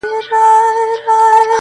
« صدقې لره یې غواړم د د لبرو،